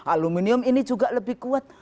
aluminium ini juga lebih kuat